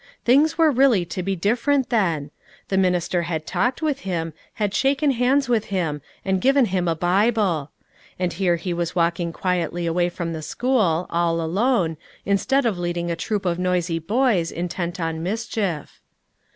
Things were really to be different, then. The minister had talked with him, had shaken hands with him, and given him a Bible. And here he was walking quietly away from the school, all alone, instead of leading a troop of noisy boys, intent on mischief.